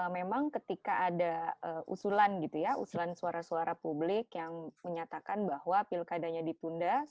memang ketika ada usulan gitu ya usulan suara suara publik yang menyatakan bahwa pilkadanya ditunda